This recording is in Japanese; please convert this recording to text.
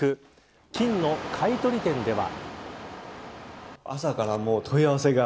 金の買取店では。